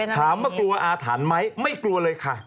ถามว่ากลัวอาถรรพ์ไหมไม่กลัวเลยค่ะ